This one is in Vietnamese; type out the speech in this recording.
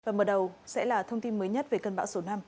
và mở đầu sẽ là thông tin mới nhất về cơn bão số năm